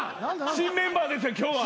新メンバーですよ今日は。